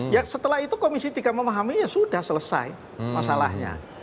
ya setelah itu komisi tiga memahaminya sudah selesai masalahnya